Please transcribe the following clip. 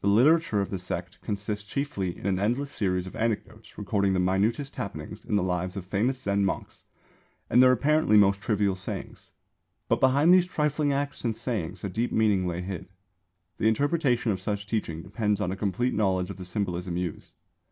The literature of the sect consists chiefly in an endless series of anecdotes recording the minutest happenings in the lives of famous Zen monks and their (apparently) most trivial sayings. But behind these trifling acts and sayings a deep meaning lay hid. The interpretation of such teaching depends on a complete knowledge of the symbolism used.